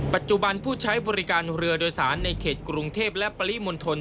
ปัจจุบันผู้ใช้บริการเรือโดยสารในเขตกรุงเทพและปริมณฑล